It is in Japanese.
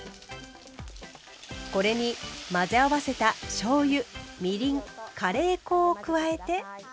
これに混ぜ合わせたしょうゆみりんカレー粉を加えて。